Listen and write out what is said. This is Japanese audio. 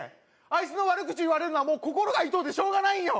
あいつの悪口言われるのはもう心が痛うてしょうがないんよ